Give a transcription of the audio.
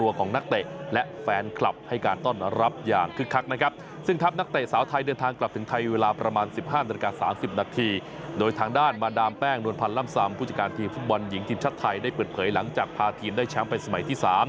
วันหญิงทีมชาติไทยได้เปิดเผยหลังจากพาทีมได้แชมป์ไปสมัยที่๓